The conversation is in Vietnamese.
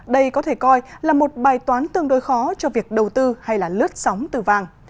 đây có thể coi là một bài toán tương đối khó cho việc đầu tư hay là lướt sóng từ vàng